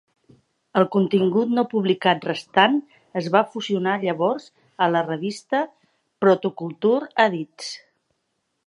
El contingut no publicat restant es va fusionar llavors a la revista "Protoculture Addicts".